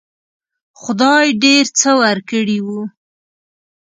خدای ډېر څه ورکړي وو.